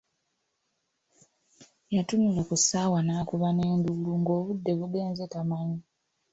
Yatunula ku ssaawa n'akuba n'enduulu ng'obudde bugenze tamanyi.